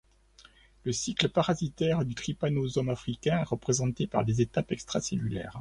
Le cycle parasitaire du Trypanosome africain est représenté par des étapes extracellulaires.